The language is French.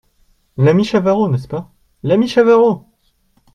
L’ami Chavarot, n’est-ce pas ? l’ami Chavarot !